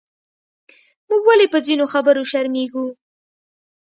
موږ ولې پۀ ځینو خبرو شرمېږو؟